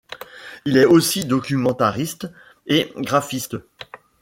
Il est aussi documentariste et graphiste.